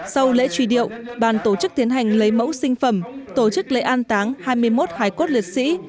sau lễ truy điệu bàn tổ chức tiến hành lấy mẫu sinh phẩm tổ chức lễ an táng hai mươi một hải cốt liệt sĩ